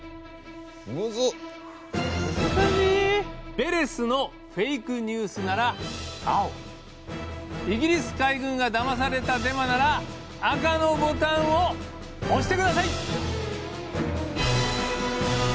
ヴェレスのフェイクニュースなら青イギリス海軍がだまされたデマなら赤のボタンを押して下さい！